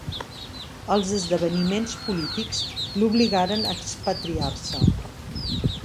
Els esdeveniments polítics l'obligaren a expatriar-se.